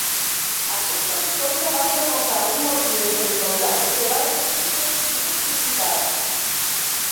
Aquesta història va provocar un motí entre soldats que van elegir deu tribuns militars.